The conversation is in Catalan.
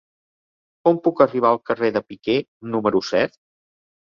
Com puc arribar al carrer de Piquer número set?